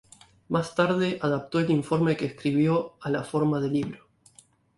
Más tarde adaptó el informe que escribió a la forma de libro.